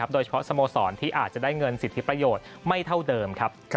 โดยเฉพาะสโมสรที่อาจจะได้เงินสิทธิประโยชน์ไม่เท่าเดิม